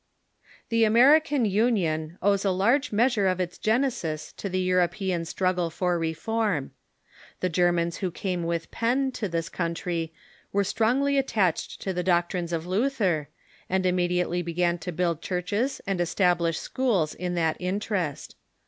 The American Union owes a large measure of its genesis to the European struggle for reform. The Germans who came with Penn to this country were strongly attached to Benefit to ^j (]octrines of Luther, and immediately besjan to America '..''. build churches and establish schools in that interest.